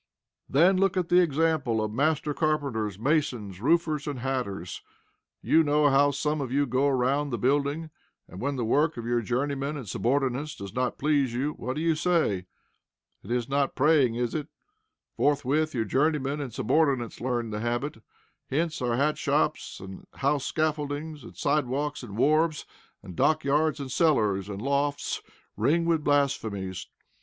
Then look at the example of master carpenters, masons, roofers, and hatters. You know how some of you go around the building, and, when the work of your journeyman and subordinates does not please you, what do you say? It is not praying, is it? Forthwith, your journeymen and subordinates learn the habit. Hence our hat shops, and house scaffoldings, and side walks, and wharves, and dockyards, and cellars, and lofts ring with blasphemies.